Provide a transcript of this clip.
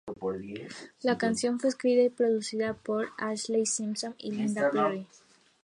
La canción fue escrita y producida por Ashlee Simpson y Linda Perry.